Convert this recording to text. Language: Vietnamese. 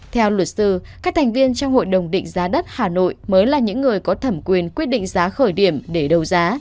theo luật sư các thành viên trong hội đồng định giá đất hà nội mới là những người có thẩm quyền quyết định giá khởi điểm để đấu giá